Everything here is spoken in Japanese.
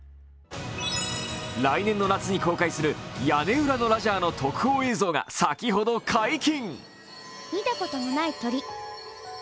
来年の夏に公開する「屋根裏のラジャー」の特報映像が先ほど解禁。